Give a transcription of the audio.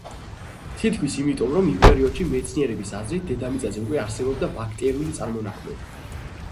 თითქმის – იმიტომ, რომ იმ პერიოდში, მეცნიერების აზრით, დედამიწაზე უკვე არსებობდა ბაქტერიული წარმონაქმნები.